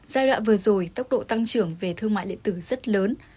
giai đoạn vừa rồi tốc độ tăng trưởng về thương mại điện tử rất lớn